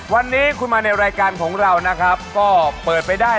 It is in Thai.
วันนี้คุณมาในรายการของเรานะครับก็เปิดไปได้